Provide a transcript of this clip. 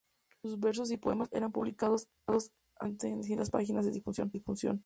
Sus versos y poemas eran publicados asiduamente en distintas páginas de difusión.